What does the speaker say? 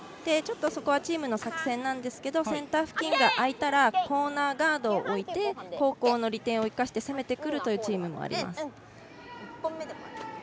ちょっと、そこはチームの作戦なんですがセンター付近が空いたらコーナーガードを置いて後攻の利点を生かしてくるチームもいます。